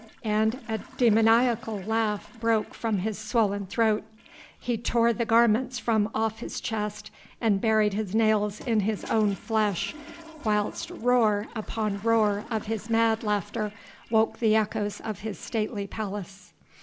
... And a demoniacal laugh broke from his swollen throat. He tore the garments from off his chest and buried his nails in his own flesh, whilst roar upon roar of his mad laughter woke the echoes of his stately palace.